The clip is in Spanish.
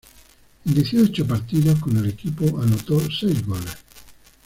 En dieciocho partidos con el equipo, anotó seis goles.